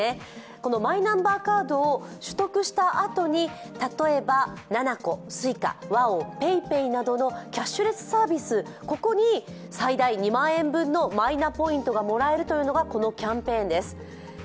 このマイナンバーカードを取得したあとに例えばｎａｎａｃｏ、Ｓｕｉｃａ、ＷＡＯＮ、ＰａｙＰａｙなどのキャッシュレスサービス、ここに最大２万円のマイナポイントがもらえるというのがこのキャンペーンです。